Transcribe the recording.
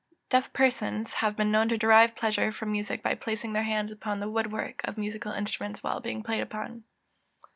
EZEKIEL VII.] Deaf persons have been known to derive pleasure from music by placing their hands upon the wood work of musical instruments while being played upon.